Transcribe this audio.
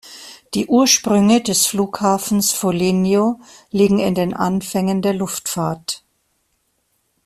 Die Ursprünge des Flughafens Foligno liegen in den Anfängen der Luftfahrt.